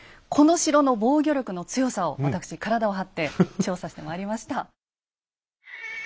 この城の防御力の強さを私体を張って調査してまいりました。